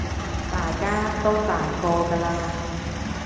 大家都大個㗎喇